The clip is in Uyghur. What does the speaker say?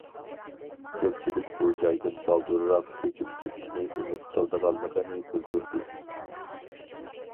كۆپچىلىك بۇ جايدىن بالدۇرراق كۆچۈپ كېتىشنى ئۈمىد قىلىدىغانلىقىنى بىلدۈردى.